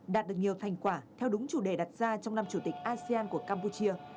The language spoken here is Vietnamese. đạt được nhiều thành quả theo đúng chủ đề đặt ra trong năm chủ tịch asean của campuchia